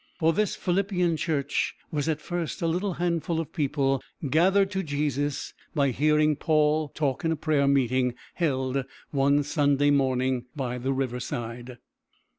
For this Philippian church was at first a little handful of people gathered to Jesus by hearing Paul talk in a prayer meeting held one Sunday morning by the riverside.